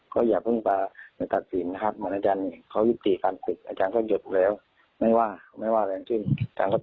เขาอย่าก็ต้องมาฝีมจากศีลนะครับ